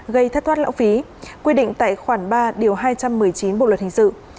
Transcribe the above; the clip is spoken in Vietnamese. gây thất thoát lão phí quy định tại khoản ba điều hai trăm một mươi chín bộ luật hình sự